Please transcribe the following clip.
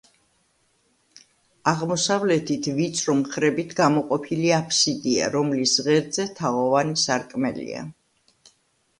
აღმოსავლეთით ვიწრო მხრებით გამოყოფილი აფსიდია, რომლის ღერძზე თაღოვანი სარკმელია.